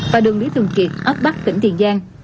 và đường lý thường kiệt ấp bắc tỉnh tiền giang